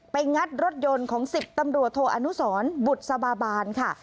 ไปงัดรถยนต์ของสิบตำรวจโทรอนุสรบุตรสบาบานค่ะ